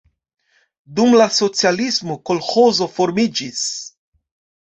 Dum la socialismo kolĥozo formiĝis.